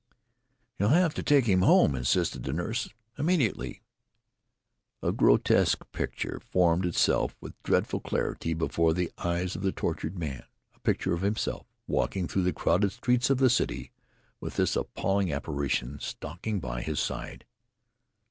"You'll have to take him home," insisted the nurse "immediately!" A grotesque picture formed itself with dreadful clarity before the eyes of the tortured man a picture of himself walking through the crowded streets of the city with this appalling apparition stalking by his side.